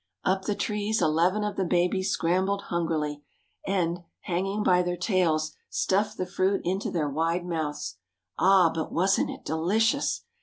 Up the trees eleven of the babies scrambled hungrily, and, hanging by their tails, stuffed the fruit into their wide mouths. Ah! but wasn't it delicious!